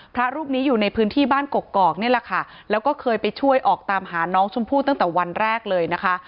พระรูปนี้อยู่ในพื้นที่บ้านกกอกนี่แหละค่ะแล้วก็เคยไปช่วยออกตามหาน้องชมพู่ตั้งแต่วันแรกเลยนะคะ